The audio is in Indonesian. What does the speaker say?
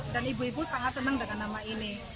dan ibu ibu sangat senang dengan nama ini